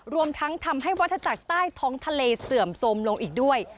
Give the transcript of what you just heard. รวมทั้งทำให้วัฒจักรใต้ท้องทะเลเสื่อมโทรมลงอีกด้วย